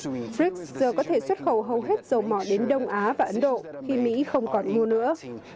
bởi vậy brics giờ có thể xuất khẩu hầu hết dầu mỏ đến đông á và ấn độ khi mỹ không còn mua nữa